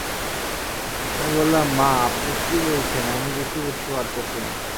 আমি বললাম, মা, আপনি কী বলছেন, আমি কিছুই বুঝতে পারতেছি না।